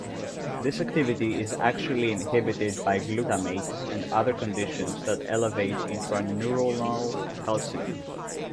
This activity is actually inhibited by glutamate and other conditions that elevate intraneuronal calcium.